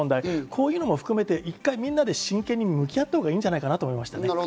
こういうものも含めて一回みんなで真剣に向き合ったほうがいいんじゃないかと思います。